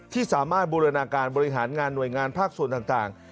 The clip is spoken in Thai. ที่สามารถบูรณาการบริหารงานหน่วยงานภาคส่วนต่าง